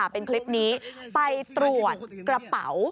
เป็นคลิปนี้ไปตรวจกระเป๋า